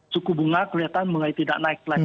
suku bunga kelihatan mulai tidak naik lagi